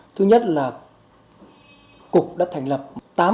thứ nhất là cục đã thành lập tám đội phản ứng